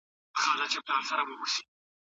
هر ثبت شوی ږغ پښتو ته یو نوی ډیجیټل ارزښت بښي.